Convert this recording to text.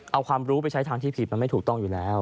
เอาความรู้ไปใช้ทางที่ผิดมันไม่ถูกต้องอยู่แล้ว